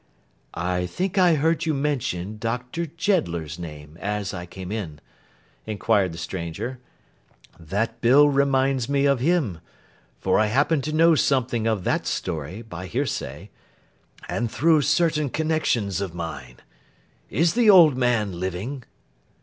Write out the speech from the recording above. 'I think I heard you mention Dr. Jeddler's name, as I came in,' inquired the stranger. 'That bill reminds me of him; for I happen to know something of that story, by hearsay, and through certain connexions of mine.—Is the old man living?